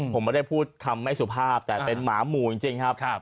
ผมไม่ได้พูดคำไม่สุภาพแต่เป็นหมาหมู่จริงครับ